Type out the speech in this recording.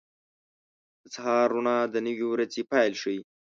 • د سهار روڼا د نوې ورځې پیل ښيي.